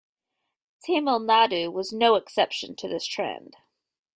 Tamil Nadu was no exception to this trend.